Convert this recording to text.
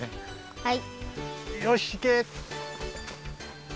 はい。